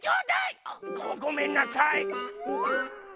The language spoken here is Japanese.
ごめんなさい。